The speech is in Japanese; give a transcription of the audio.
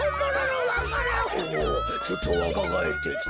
おおちょっとわかがえってきた。